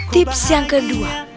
tips yang kedua